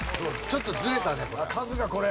ちょっとずれたねこれ。